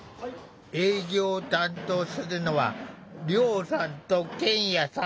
営業を担当するのは亮さんと健也さん。